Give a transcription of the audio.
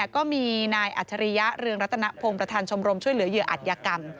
ก็มีนายอัจฉริยะเรืองรัตนพงศ์ประธานชมรมช่วยเหลือเหยื่ออัตยกรรม